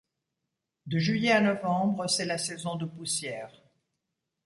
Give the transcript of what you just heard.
De juillet à novembre, c'est la saison de poussière.